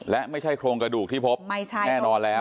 และไม่ใช่โครงกระดูกที่พบแน่นอนแล้ว